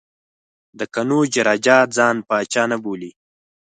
د قنوج راجا ځان پاچا نه بولي.